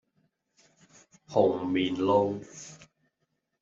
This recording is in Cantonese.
紅棉路